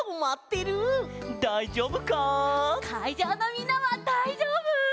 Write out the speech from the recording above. だいじょうぶか？かいじょうのみんなはだいじょうぶ？